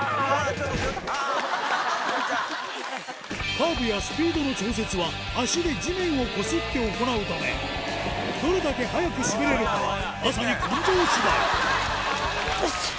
カーブやスピードの調節は足で地面をこすって行うためどれだけ速く滑れるかはまさに根性次第よし！